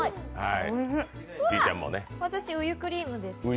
私、ウユクリームです。